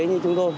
như chúng tôi